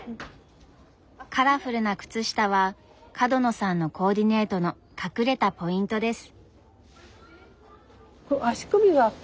カラフルな靴下は角野さんのコーディネートの隠れたポイントです。